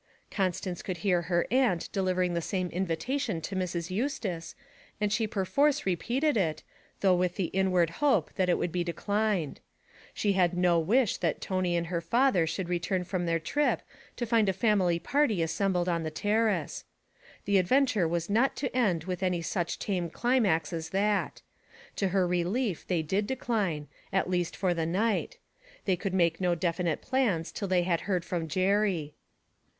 Constance could hear her aunt delivering the same invitation to Mrs. Eustace, and she perforce repeated it, though with the inward hope that it would be declined. She had no wish that Tony and her father should return from their trip to find a family party assembled on the terrace. The adventure was not to end with any such tame climax as that. To her relief they did decline, at least for the night; they could make no definite plans until they had heard from Jerry.